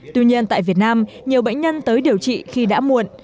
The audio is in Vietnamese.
tuy nhiên tại việt nam nhiều bệnh nhân tới điều trị khi đã muộn